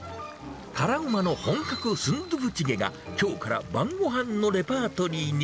辛うまの本格スンドゥブチゲが、きょうから晩ごはんのレパートリーに。